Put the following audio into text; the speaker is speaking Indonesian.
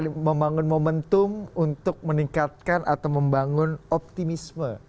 bang mau pahami membangun momentum untuk meningkatkan atau membangun optimisme